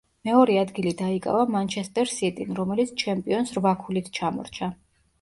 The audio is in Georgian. მეორე ადგილი დაიკავა მანჩესტერ სიტიმ, რომელიც ჩემპიონს რვა ქულით ჩამორჩა.